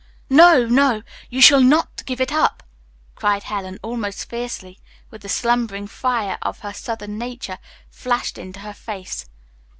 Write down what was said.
"No, no, you shall not give it up!" cried Helen almost fiercely, while the slumbering fire of her southern nature flashed into her face.